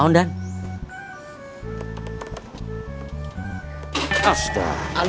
tunggu sebentar ya pak